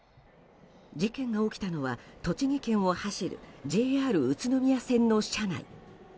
事件が起きたのは栃木県を走るＪＲ宇都宮線の車内。